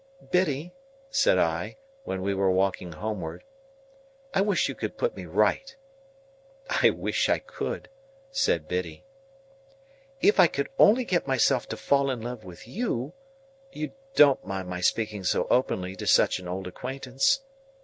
"Biddy," said I, when we were walking homeward, "I wish you could put me right." "I wish I could!" said Biddy. "If I could only get myself to fall in love with you,—you don't mind my speaking so openly to such an old acquaintance?"